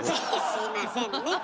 すいませんね。